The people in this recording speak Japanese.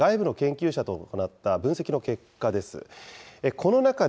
・経済諮問委員会が外部の研究者と行った分析の結果です。